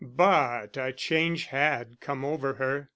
But a change had come over her.